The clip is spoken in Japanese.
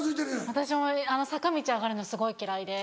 私も坂道上がるのすごい嫌いで。